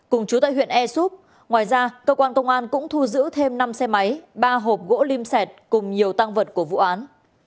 cùng chú tại huyện e súp ngoài ra cơ quan công an cũng thu giữ thêm năm xe máy ba hộp gỗ lim xẹt cùng nhiều tăng vật của vụ án